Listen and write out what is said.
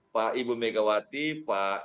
pak ibu megawati pak